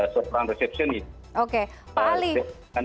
seorang resepsionis oke paling